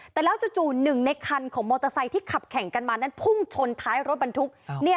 แต่แล้วจู่หนึ่งในคันของมอเตอร์ไซค์ที่ขับแข่งกันมานั้นพุ่งชนท้ายรถบรรทุก